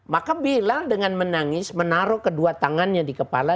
maka bilal dengan menangis menaruh kedua tangannya di kepala